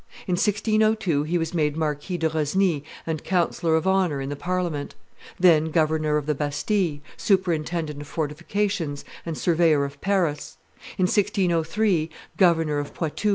In 1602 he was made Marquis de Rosny and councillor of honor in the Parliament; then governor of the Bastille, superintendent of fortifications, and surveyor of Paris; in 1603, governor of Poitou.